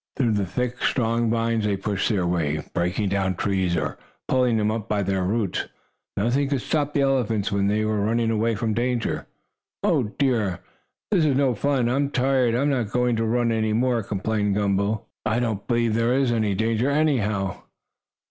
Through the thick, strong vines they pushed their way, breaking down trees, or pulling them up by their roots. Nothing could stop the elephants when they were running away from danger. "Oh, dear! This is no fun! I'm tired! I'm not going to run any more!" complained Gumble umble. "I don't believe there is any danger, anyhow."